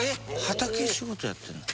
畑仕事やってるの？